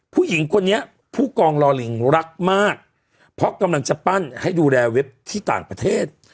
ผู้หญิงคนนี้ผู้กองลอลิงรักมากเพราะกำลังจะปั้นให้ดูแลเว็บที่ต่างประเทศ